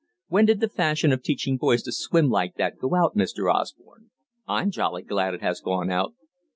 When did the fashion of teaching boys to swim like that go out, Mr. Osborne? I'm jolly glad it has gone out."